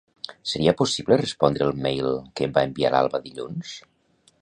Seria possible respondre el mail que em va enviar l'Alba dilluns?